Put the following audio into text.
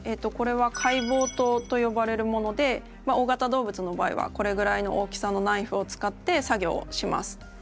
これは解剖刀と呼ばれるもので大型動物の場合はこれぐらいの大きさのナイフを使って作業をします。